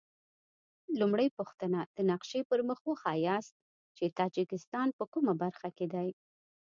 لومړۍ پوښتنه: د نقشې پر مخ وښایاست چې تاجکستان په کومه برخه کې دی؟